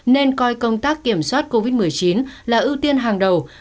nên coi công tác kiểm soát covid một mươi chín là ưu tiên hàng đầu